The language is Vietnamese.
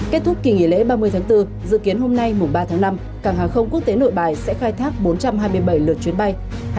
kết thúc kỳ nghỉ lễ ba mươi tháng bốn dự kiến hôm nay mùng ba tháng năm cảng hàng không quốc tế nội bài sẽ khai thác bốn trăm hai mươi bảy lượt chuyến bay